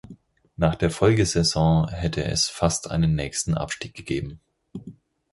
Nach der Folgesaison hätte es fast einen nächsten Abstieg gegebenen.